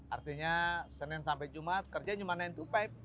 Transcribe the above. artinya senin sampai jumat kerja cuma naik tupai